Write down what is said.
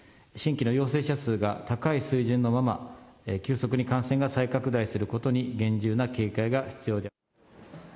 新規の陽性者数が高い水準のまま、急速に感染が再拡大することに厳重な警戒が必要で。